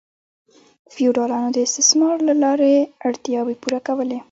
فیوډالانو د استثمار له لارې اړتیاوې پوره کولې.